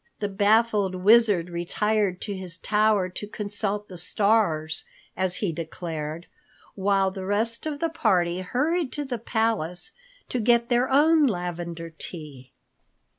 The baffled Wizard retired to his tower to consult the stars, as he declared, while the rest of the party hurried to the palace to get their own lavender tea.